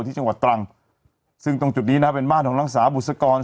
จังหวัดตรังซึ่งตรงจุดนี้นะเป็นบ้านของนางสาวบุษกร